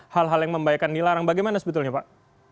hal hal yang membahayakan dilarang bagaimana sebetulnya pak